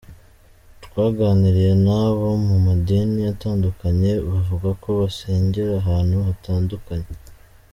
Twaganiriye n’abo mu madini atandukanye bavuga ko basengera ahantu hatandukanye.